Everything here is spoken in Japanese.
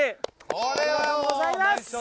ありがとうございます。